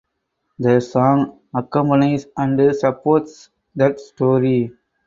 The song accompanies and supports that story.